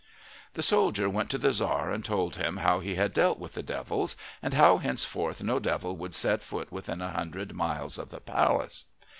The soldier went to the Tzar and told him how he had dealt with the devils, and how henceforth no devil would set foot within a hundred miles of the palace.